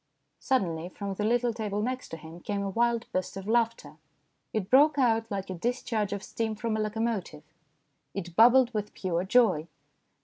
Suddenly from the little table next to him came a wild burst of laughter. It broke out like a discharge of steam from a locomotive. It bubbled with pure joy.